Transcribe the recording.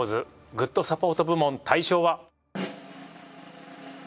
グッドサポート部門大賞は。